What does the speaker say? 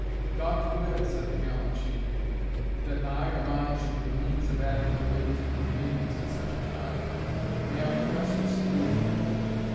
"God forbid," said the gallant chief, "that I or mine should be the means of adding to a lady's inconvenience at such a time. May I request to see the infant?"